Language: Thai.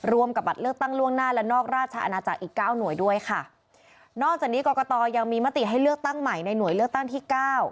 กับบัตรเลือกตั้งล่วงหน้าและนอกราชอาณาจักรอีกเก้าหน่วยด้วยค่ะนอกจากนี้กรกตยังมีมติให้เลือกตั้งใหม่ในหน่วยเลือกตั้งที่เก้า